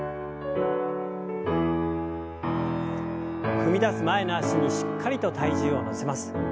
踏み出す前の脚にしっかりと体重を乗せます。